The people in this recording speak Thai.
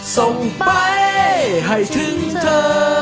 ส่งไปให้ถึงเธอ